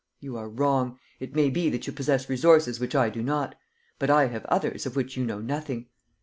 You are wrong: it may be that you possess resources which I do not; but I have others of which you know nothing.